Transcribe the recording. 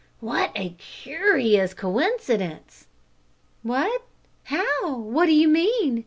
"What a curious coincidence!" "What! How? What do you mean?"